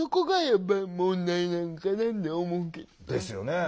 ですよね。